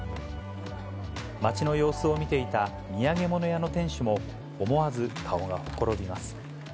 街の様子を見ていた土産物屋の店主も、思わず顔がほころびます。